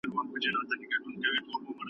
د پېښو بېلابېل علتونه څېړل کیږي.